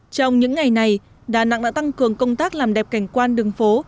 trong những ngày này đà nẵng đã tăng cường công tác làm đẹp cảnh quan đường phố